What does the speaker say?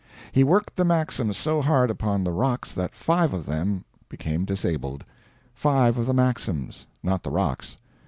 He worked the Maxims so hard upon the rocks that five of them became disabled five of the Maxims, not the rocks.